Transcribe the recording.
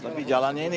tapi jalannya ini